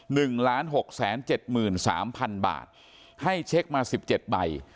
หนึ่งล้านหกแสนเจ็ดหมื่นสามพันบาทให้เช็คมาสิบเจ็ดใบ